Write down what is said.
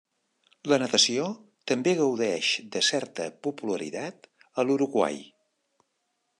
La natació també gaudeix de certa popularitat a l'Uruguai.